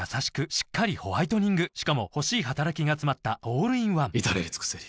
しっかりホワイトニングしかも欲しい働きがつまったオールインワン至れり尽せり